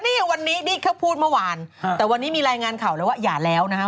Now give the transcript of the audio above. นี่วันนี้นี่แค่พูดเมื่อวานแต่วันนี้มีรายงานข่าวเลยว่าอย่าแล้วนะฮะ